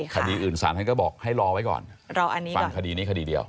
ใช่ค่ะ